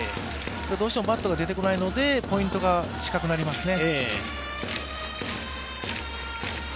どうしてもバットが出てこないので、ポイントが近くなりますね。